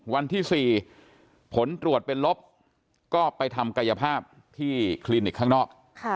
วันที่๔ผลตรวจเป็นลบก็ไปทำกายภาพที่คลินิกข้างนอก